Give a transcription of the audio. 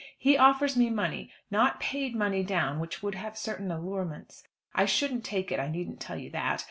He offers me money not paid money down, which would have certain allurements. I shouldn't take it. I needn't tell you that.